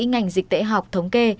ngành dịch tễ học thống kê